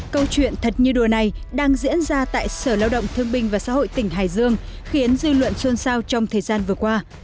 câu chuyện thật như đùa này đang diễn ra tại sở lao động thương binh và xã hội tỉnh hải dương khiến dư luận xôn xao trong thời gian vừa qua